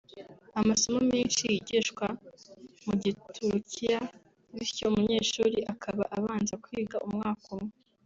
Amasomo menshi yigishwa mu Giturukiya bityo umunyeshuri akaba abanza kwiga umwaka umwe